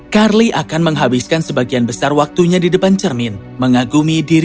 carly akan menghabiskan sebagian besar waktunya di depan cermin mengagumi diri